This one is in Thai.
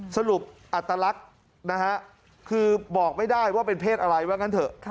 สรุปอัตลักษณ์นะฮะคือบอกไม่ได้ว่าเป็นเพศอะไรว่างั้นเถอะ